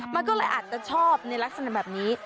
มันก็เลยอาจจะชอบในลักษณะแบบนี้